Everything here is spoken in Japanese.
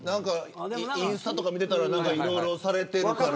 インスタとか見ていたらいろいろされているから。